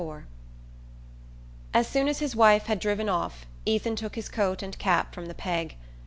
IV As soon as his wife had driven off Ethan took his coat and cap from the peg.